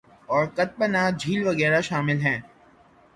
اور کت پناہ جھیل وغیرہ شامل ہیں